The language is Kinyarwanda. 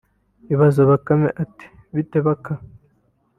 ibaza Bakame iti “Bite Baka